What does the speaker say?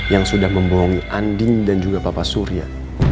yang sudah membohongi andin dan juga papa surya